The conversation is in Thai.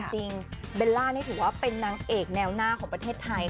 เบลล่านี่ถือว่าเป็นนางเอกแนวหน้าของประเทศไทย